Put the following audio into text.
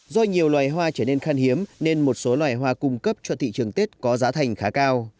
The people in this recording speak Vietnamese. do nhiều loài hoa trở nên khan hiếm nên một số loài hoa cung cấp cho thị trường tết có giá thành khá cao